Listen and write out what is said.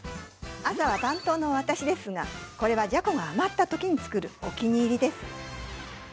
朝はパン党の私ですがこれはじゃこが余ったときにつくるお気に入りです。